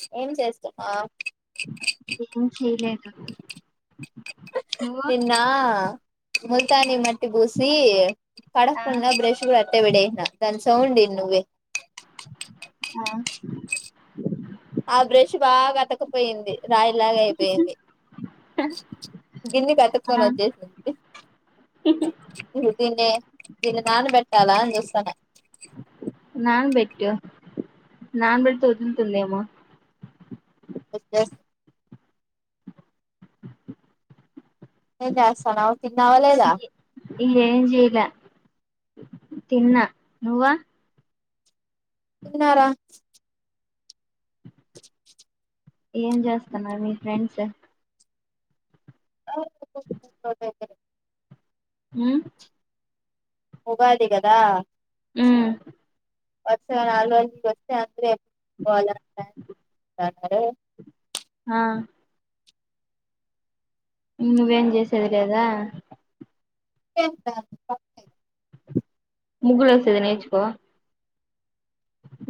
స ఏం చేస్తామా, ఏం చేయలేదు నువ్వు నిన్న ముల్తాని మట్టి పూసి ఆ కడక్కుండా బ్రష్ కూడ ఎ విడేనా తన్ సౌంన్ నువ్వే ఆ ఆ బ్రష్ బాగా అతకపోయింది రాయిలాగ అయిపోయింది ఆ గిన్నెకతుక్కొని ఒచ్చేసింది తే నాన పెట్టాలా అని చూస్తాన నాన్ బెట్టు నాన్ బట్తె ఒదుల్తుందేమొ ఓకే ఏ చేస్తానవ్ ఈ ఇ ఏం చైలే తిన్నా నువ్వా తిన్నారా ఏం చేస్తున్నారు మీ ఫ్రెండ్స్ అ మ్ ఉగాది గదా మ్ వత్స నాలు వస్తే అంద్రే పోల [inaudible] ఆ నువేం చేసేదిలేదా ఏదా ప ముగులు వసద నేచుకో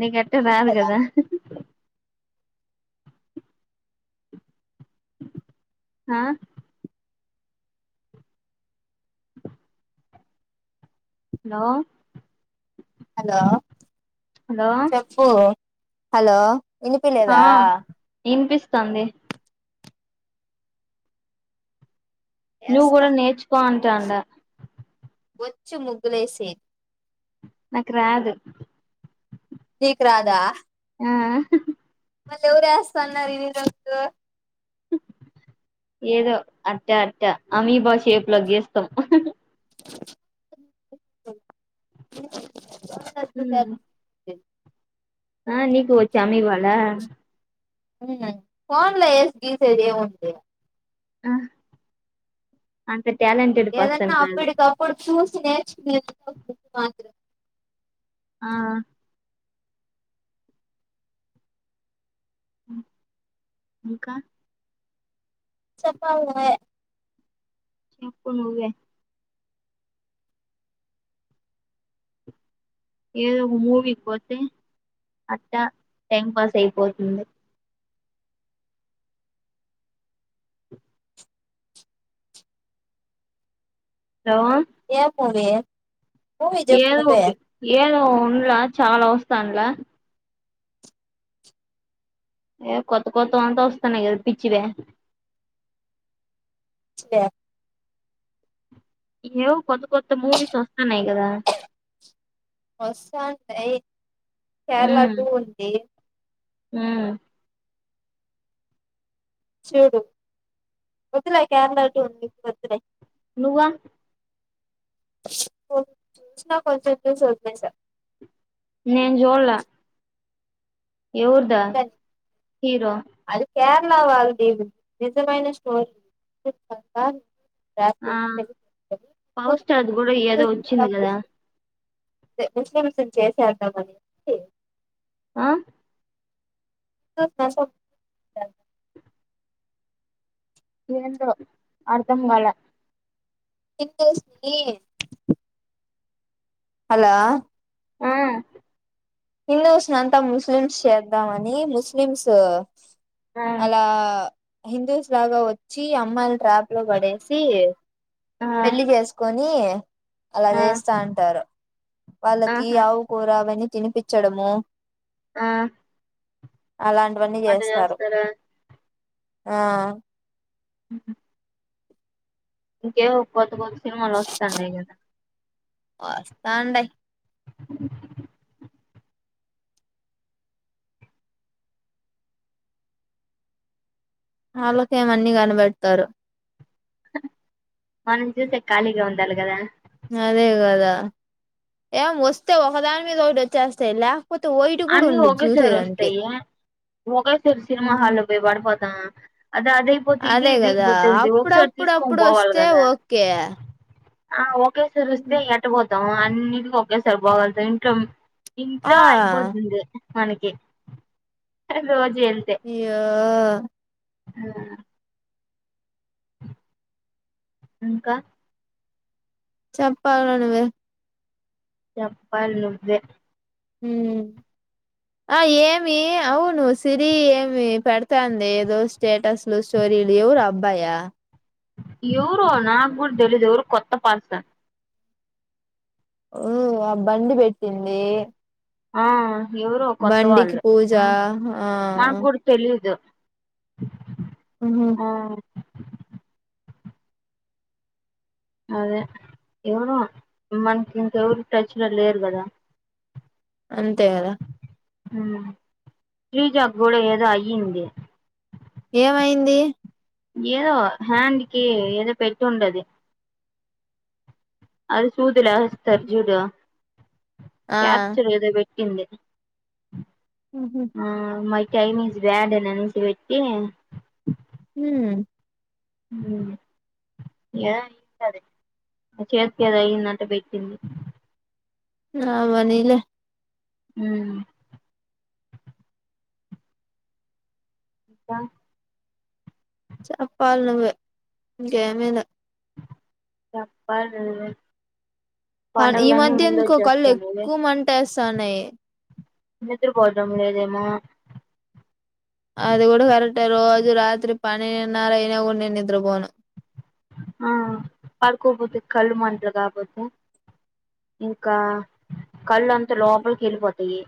నీకెట్ల్ రాదు కదా ఆ అలో అలో చెప్పూ హలో ఇనిపిలేదా స్తుంది నువ్ ఎస్తా గడా నేర్చుకో టాండా ఒచ్చు ముగులే సేయ్ నక్ రాదు నీక్ రాదా ఆ మళ్ళ ఎవరేస్త అన్నారు ఇని [inaudible] ఏదో అట్ట అట్టా అమీబాషేపు గీస్తం హ్మ్ ఆ నీకు వచ్చ అమివాళ్ళ ఫోన్లో ఏస్ గీస్దె ఏం ఉంది ఆ అంతే ఏదన్నా అప్పడికప్పుడు చూసి సి నేర్చుకునేది మాత్రం ఆ ఇంకా చెపావు ఎ చెప్పు నువ్వే ఏదో ఒక మూవీకి పోతే అట్టా టైం పాస్ అయిపోతుంది హలో పోలే ఏదో ఒకటి ఏదో ఉండలా చాలా వస్తు స్తంలా ఏ కొత్త కొత్తవీ అంత వస్తనయ్ పిచ్చివె సే ఇయూ కొత్త కొత్త మూవీస్ వస్తాన్నాయ్ కదా వస్తాంటాయి కేరళ టూ ఉంది హ్మ్ చూడు వద్దులే కేరళటుూ ఉంది వద్దులే నువ్వు చూసిన కొన్సెపు చూసి వదిలేసా నేను చూడలా ఎవరుదా హీరో అది కేరళ వాళ్ళది నిజమైన స్టోరీ ఆ పవర్ స్టార్ది కూడా ఏదో వచ్చింది కదా ముస్లింస్ ని చేసేద్దాం అనేసి ఆ [inaudible] ఏంటో అర్ధం కాలా హిందూస్ నీ హలో ఆ హిందూస్ నంతా ముస్లిమ్స్ చేద్దామని ముస్లిమ్స్ ఆ అలా హిందూస్ లాగా వచ్చి అమ్మాయిల ట్రాప్ లో పడేసి ఆ పెళ్లి చేసుకొ నీ అలా ఆ చేస్తా ఉంటారు వాళ్ళకి ఆహా ఆవు కూర అవన్నీ తినిపించడము ఆ అలాంటివన్నీ అట్ట చేస్తారు చేస్తారా ఆ అ ఇంకేవో కొత్త కొత్త సినిమాలు వస్తాన్నాయి కదా వస్తాడయ్ ఆళ్లకేమన్నిీ కనబట్ త్తరు మనం చూసే ఖాళీగా ఉండాలి కదా అదే కదా ఏం వస్తే ఒకదాని మీద ఒకటి వచ్చేస్తాయి లేక్ అన్నీ ఒకేసారి వస్తాయి ఒకేసారి సినిమా హాల్లో పోయి పడిపోతమా అదే కదా ఇది ఒకసారి తీసుకొని అప్పుడప్పుడప్పుడు వస్తే ఓకే హ ఒక్ ఒకటేసరోస్తే ఎట్ట బో ం అన్నింటికి ఒకేసారి పోగలుతాం ఇంట్లో ఆ ఇంట్లో ఐ పోతుంది మనకి రోజు వెళ్తే య్యొ ఆ ఇంకా చెప్పాల్రా నువ్వే చెప్పల్ నువ్వే హు ఆ ఏమి అవును సిరి ఏమి పెడతాంది ఏదో స్టేటస్ స్టోరీలు ఎవరు అ బ్బాయా ఎవరో నాగ్గుడ తెలియదు ఎవరో కొత్త పార్సన్ ఒ ఆ బండి పెట్టింది ఆ ఎవరో కొత్త బండికి వాళ్ళు పూజ ఆ మాక్కుడా తెలీయదు [inaudible] ఆ అదే ఎవరో మనకి ఇంకెవరు టచ్ లో లేరు కదా అంతే కదా ఫీజ గోడ ఏదో అయంది ఏమయింది ఏదో హ్యాండ్కి ఏదో పెట్టి ఉండది అది చూదులార్జూలు ఆ క్యాప్చలేద బట ఎంది ఉహు. ఆ మై చైనీస్ బడ్సి వెట్తే హ ఏద కద చేసి కదా అయి్యందట్టటు పెట్టింది ఆ మనీలే అ ఇకా చెప్పాల ను ఇంకాేమద చెప్పాల ఈ మధ్య ఇంకో కళ్ళు వచ్చేస్తున్నాయి ఎక్కువ మంటేస్తాన్నాయి నిదురుపోటము లేదేమో అది కూడా కరెక్టే రోజు రాత్రి పన్నెండున్నర అయినా కూడా నేను నిద్రపోను ఆ పడుకోపోతే కళ్ళు వంటలు కాకపోతే ఇంకా కళ్ళు అంతా లోపలికి వెళ్ళిపోతాయి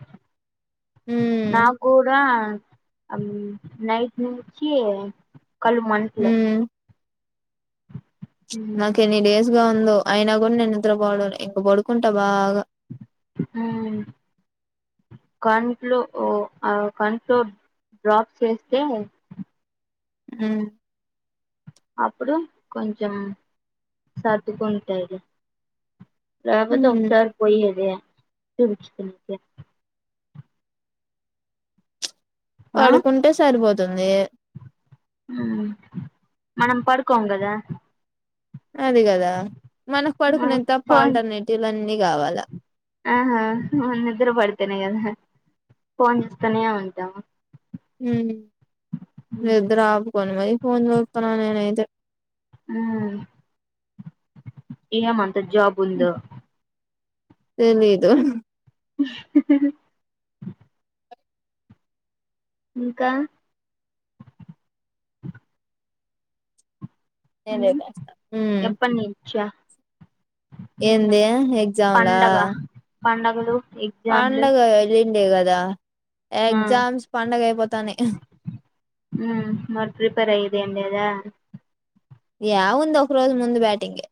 నా హ్మ్ కూడా నాట్ నుచ్చి కలు మణట్ల నాకనీ లేేస్ గా ఉందో అయినా కూడా నేను నిద్ర పడను ఇంక పడుకుంటా బాగా కంట్లో కంట్లో డ్రాప్ చేస్తే అ అప్పుడు కొంచెం సర్దుకుంటాయి రాబతో హ్మ్ ఒప్సారి పోయి ఏద ఆ పడుకుంటే సరిపోతుంది మనం పడుకొం కదా అది కదా మనకు పడుకునే తప్ప ఫోన్ ఆల్టర్నేటివ్లు అన్ని కావాలా ఆహా నిద్ర పడితేనే కదా ఫోన్ చేస్తూనే ఉంటాము మీ నిద్ర ఆపుకోని మరి ఫోన్ చూస్తున్న నేనైతే ఏయా మన తజాబుంద తెలీదు ఇంకా నేను ఉమ్ చేసేస్తా ఊ ఎప్పటి నుంచా ఏందే ఎగ్జాములా పండగ పండగలు ఎగ్జామ్లు పండగ ఇది దే గదా ఆ ఉ మరి ప్రిపేర్ అయిది ఏది లేదా యా ఉందో ఒక రోజు ముందు బ్యాటింగే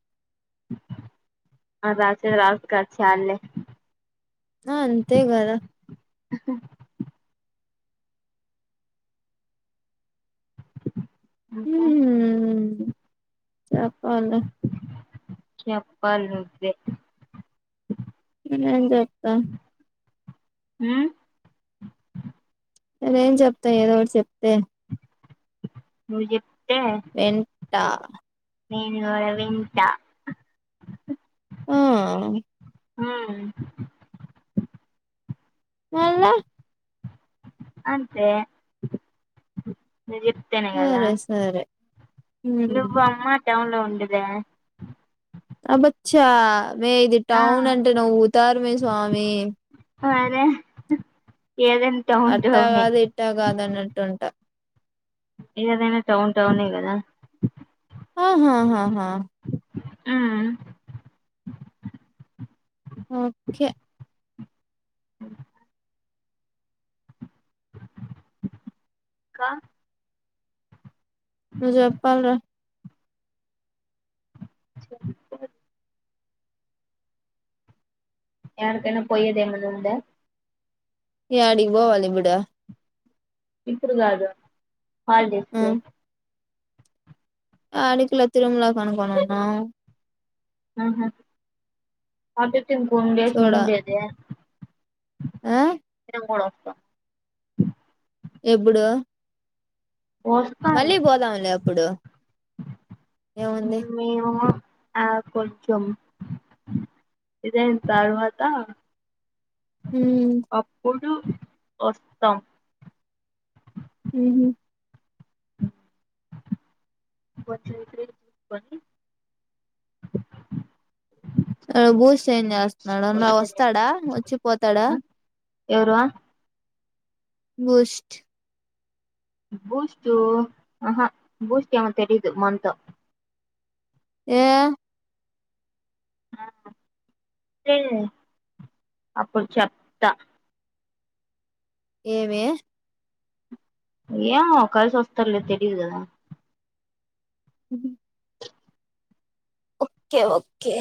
అ రాచే రాస్ కాచ్చలే అంతే కదా ఆహా ఇంకా చెప్పాల చెప్పాల్ నువ్వే నేనేం చెతా ఉ నేను ఏం చెప్తా ఏదో ఒకటి చెప్తే నువ్ చెప్ వెంట నేను కూడా వింటా ఆ ఆ మళ్ళా అంతే ను చెప్తేనే కదా సరే సరే ఉమ్ నువ్ అమ్మ టౌన్ లో ఉండద అబ్బచ్చ మే ఇది ఆ టౌన్ అంటే నవ్వుతారుమే స్వామి అరే అట్టా కాదు ఇట్టా కాదు అన్నట్టుంట ఏదయినా టౌన్ టౌన్ గదా ఆహాహహ ఆ ఓకే కా నువ్ జప్పల్రా స యాడ తిన పోయ్యదేమనుంద యాడికి పోవాలి ఇపుడు ఇప్పుడు కాదు హాలిడేస్కి ఆడికి లచ్చలు ఉన్న కొనుక్కునున్నా ఆ హా, అదే. టీం కుండేస్ చూడ ఉండేదే? ఆ? [unintelligible] డక్కా ఎప్పుడు? వస్తాం మళ్ళీ పోదాంలే అప్పుడు, ఏముంది? మేము ఆ కొంచం ఇదయిన్ తర్వాత ఉమ్ అప్పుడు టు ఒస్తం ఉమ్ హు హ్మ్, కొంచెం ఎక్కడైనా చూసుకొని ఆ బూస్ట్ ఏం చేస్తున్నాడు? అన్న వచ్చేదేనా వస్తాడా? వచ్చి పోతాడా? ఎవరూ? బూస్ట్ బూస్టూ, అహా బూస్ట్ ఎమో తెలీదు మన్తో. ఏ? తే అప్పుడు చెప్తా. ఏమే? ఏమో, కలిసోస్తర్లే తెలీదుగదా. ఉమ్ ఓకే ఓకే.